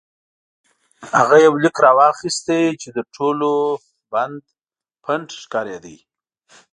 هغه یو لیک راواخیست چې تر ټولو پڼد ښکارېده.